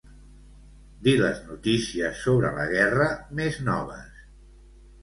Dir les notícies sobre la guerra més noves.